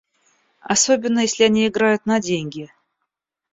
Особенно, если они играют на деньги.